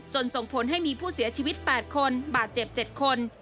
ส่งผลให้มีผู้เสียชีวิต๘คนบาดเจ็บ๗คน